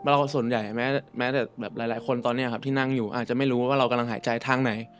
เราส่วนใหญ่แม้แต่แบบหลายคนตอนนี้ครับที่นั่งอยู่อาจจะไม่รู้ว่าเรากำลังหายใจทางไหน